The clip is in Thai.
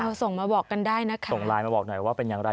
ส่งมาบอกกันได้นะคะส่งไลน์มาบอกหน่อยว่าเป็นอย่างไร